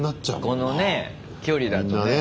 このね距離だとね。